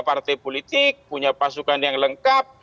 partai politik punya pasukan yang lengkap